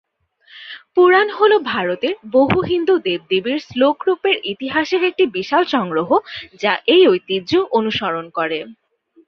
পুরাণ হল ভারতের বহু হিন্দু দেব-দেবীর শ্লোক-রূপের ইতিহাসের একটি বিশাল সংগ্রহ, যা এই ঐতিহ্য অনুসরণ করে।